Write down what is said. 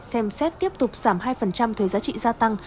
xem xét tiếp tục giảm hai thuế giá trị gia tăng